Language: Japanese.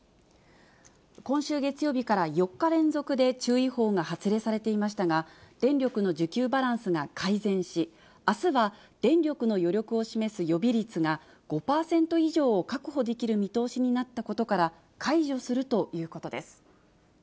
今週月曜日から４日連続で注意報が発令されていましたが、電力の需給バランスが改善し、あすは電力の余力を示す予備率が５％以上を確保できる見通しとなったことから、解除するということです。